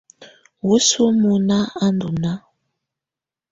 Wǝ́suǝ mɔ̀na á ndɔ̀ nàà.